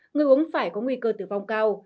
người uống phải có nguy cơ tử vong cao